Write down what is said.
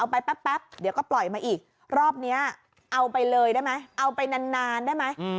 ไปแป๊บเดี๋ยวก็ปล่อยมาอีกรอบนี้เอาไปเลยได้ไหมเอาไปนานได้ไหม